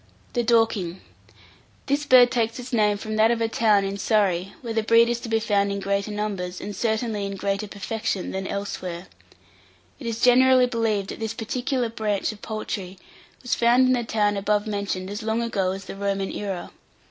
[Illustration: DORKINGS.] THE DORKING. This bird takes its name from that of a town in Surrey, where the breed is to be found in greater numbers, and certainly in greater perfection, than elsewhere. It is generally believed that this particular branch of poultry was found in the town above mentioned as long ago as the Roman era.